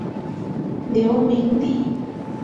刘明利。